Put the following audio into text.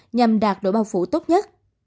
nhằm đạt độ bao phủ tốt nhất